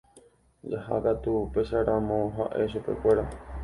Jahákatu upécharamo ha'e chupekuéra